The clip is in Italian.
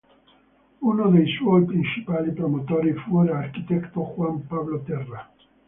Uno dei suoi principali promotori fu l'architetto Juan Pablo Terra.